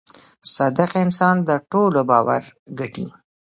• صادق انسان د ټولو باور ګټي.